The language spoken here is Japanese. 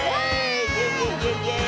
イエーイ！